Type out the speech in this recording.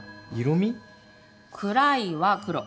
「暗い」は黒。